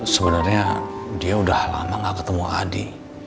sebenarnya dia udah lama gak ketemu adi